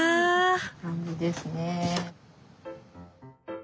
こんな感じですね。